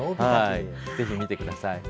ぜひ見てください。